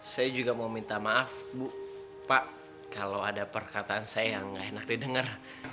saya juga mau minta maaf bu pak kalau ada perkataan saya yang gak enak didengar